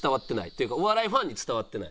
というかお笑いファンに伝わってない。